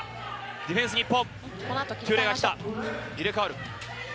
ディフェンス、日本。